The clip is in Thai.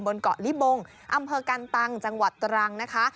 บนเกาะลิบงอำเภอกันตังจังหวัดตรังนะคะ